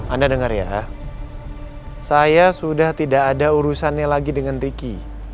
anda dengar ya saya sudah tidak ada urusannya lagi dengan ricky